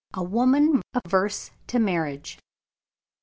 A WOMAN AVERSE TO MARRIAGE.